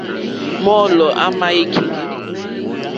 Mɔ́ɔ̌lɔ̀ má má í kíŋɡɛ̀.